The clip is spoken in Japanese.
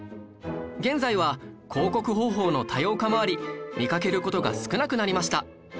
現在は広告方法の多様化もあり見かける事が少なくなりました